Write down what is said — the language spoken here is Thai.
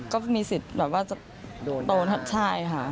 ก็มีสิทธิ์แบบว่าจะโดนใช่ค่ะ